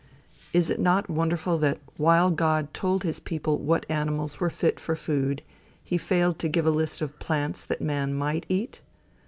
Is it not wonderful that while God told his people what animals were fit for food, he failed to give a list of plants that man might eat?